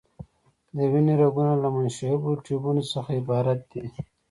د وینې رګونه له منشعبو ټیوبونو څخه عبارت دي.